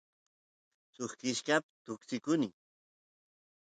suk kishkapi tuksikuny